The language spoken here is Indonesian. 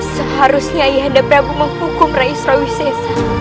seharusnya ayahanda prabu menghukum raih surawisesa